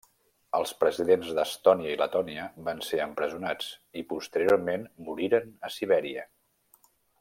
Els presidents d'Estònia i Letònia van ser empresonats, i posteriorment moririen a Sibèria.